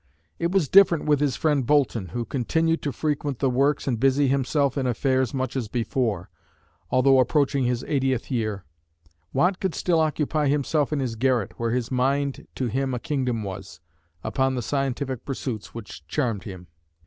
It was different with his friend Boulton, who continued to frequent the works and busy himself in affairs much as before, altho approaching his eightieth year. Watt could still occupy himself in his garret, where his "mind to him a Kingdom was," upon the scientific pursuits which charmed him.